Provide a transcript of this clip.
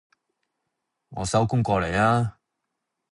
我收工過嚟呀